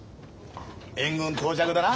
援軍到着だな。